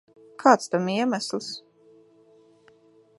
Kāds tam iemesls?